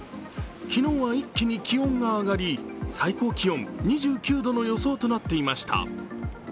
昨日は一気に気温が上がり、最高気温２９度の予報となっていました。